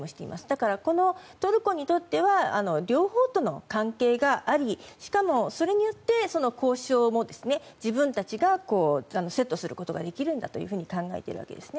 だから、このトルコにとっては両方との関係がありしかも、それによって交渉も自分たちがセットすることができるんだと考えているわけです。